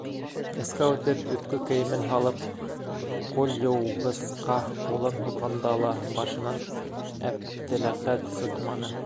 Эскә үтеп, өҫкө кейемен һалып, ҡулъйыуғысҡа ҡулын һуҙғанда ла башынан Әптеләхәт сыҡманы.